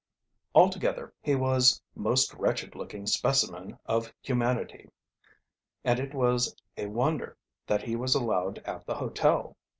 Altogether he was most wretched looking specimen of humanity, and it was a wonder that he was allowed at the hotel.